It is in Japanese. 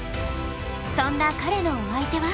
そんな彼のお相手は。